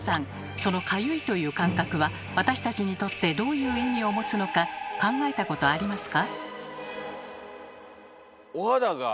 その「かゆい」という感覚は私たちにとってどういう意味を持つのか考えたことありますか？